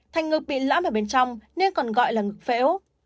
thanh ngực bị lõm ở bên trong nên còn gọi là ngực phễu